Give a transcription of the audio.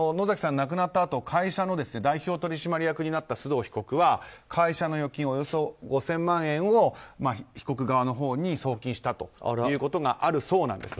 亡くなったあと会社の代表取締役になった須藤被告は会社の預金およそ５００万円を被告側のほうに送金したということがあるそうなんです。